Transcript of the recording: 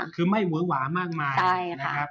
คือไม่เวอหวามากมายนะครับ